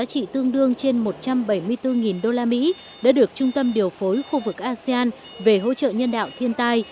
tương đương trên một trăm bảy mươi bốn usd đã được trung tâm điều phối khu vực asean về hỗ trợ nhân đạo thiên tai